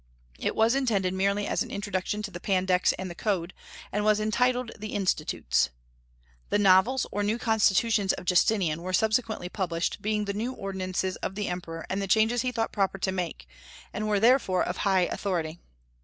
It was intended merely as an introduction to the Pandects and the Code, and was entitled the Institutes. The Novels, or New Constitutions, of Justinian were subsequently published, being the new ordinances of the Emperor and the changes he thought proper to make, and were therefore of high authority.